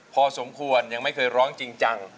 พอสมควรยังไม่เคยร้องจริงจัง